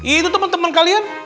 itu temen temen kalian